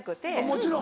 もちろん。